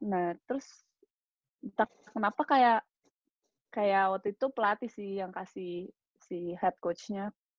nah terus kenapa kayak waktu itu pelatih sih yang kasih si head coach nya